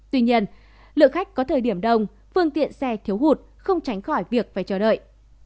tuy nhiên lượng khách có thời điểm đông phương tiện xe thiếu hụt không tránh khỏi việc phải chờ đợi